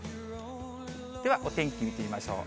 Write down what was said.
ではお天気見てみましょう。